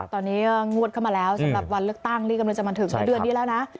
ตอนนี้ก็งวดเข้ามาแล้วสำหรับวันเลือกตั้งที่กำลังจะมาถึงนะเดือนนี้แล้วนะ